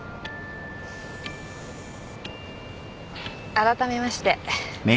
あらためまして。